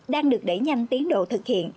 đang được đẩy nhanh tiến độ thực hiện